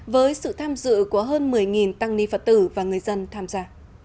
với sự tham dự của hơn một mươi tăng ni phật tử và người dân tham gia